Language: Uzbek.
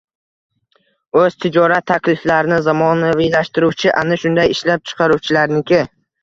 o‘z tijorat takliflarini zamonaviylashtiruvchi ana shunday ishlab chiqaruvchilarniki.